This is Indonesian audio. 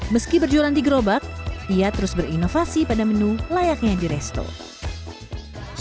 meski berjualan di gerobak ia terus berinovasi pada menu layaknya di resto